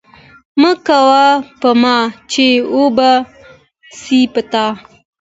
مه کوه په ما، چې وبه سي په تا!